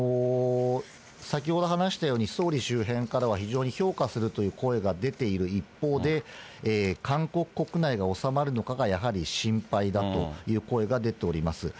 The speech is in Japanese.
先ほど話したように、総理周辺からは非常に評価するという声が出ている一方で、韓国国内が収まるのかがやはり心配だという声が出ております。